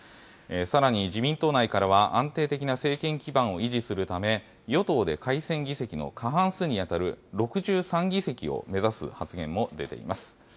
さらに、自民党内からは、安定的な政権基盤を維持するため、与党で改選議席の過半数に当たる、６３議席を目指す発言も出ています。